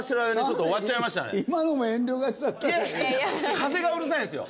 風がうるさいんですよ。